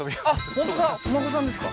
本当だお孫さんですか？